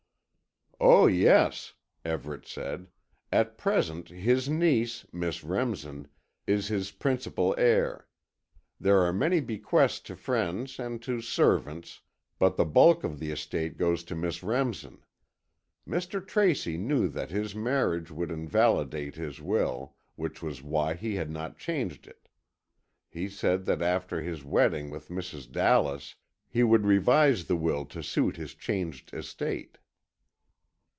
"Oh, yes," Everett said. "At present his niece, Miss Remsen, is his principal heir. There are many bequests to friends and to servants, but the bulk of the estate goes to Miss Remsen. Mr. Tracy knew that his marriage would invalidate this will, which was why he had not changed it. He said that after his wedding with Mrs. Dallas, he would revise the will to suite his changed estate."